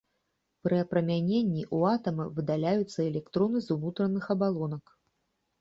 Пры апрамяненні ў атама выдаляюцца электроны з унутраных абалонак.